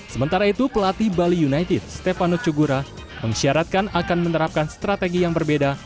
sementara itu pelatih bali united stefano cugura mengisyaratkan akan menerapkan strategi yang berbeda